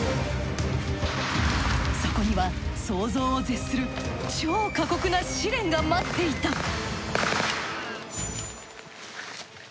そこには想像を絶する超過酷な試練が待っていた。